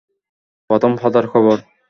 প্রথম পাতার খবর।